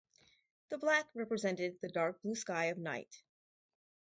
The black represented the dark blue sky of night.